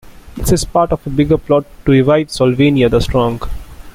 This is part of a bigger plot to revive Solvania the strong.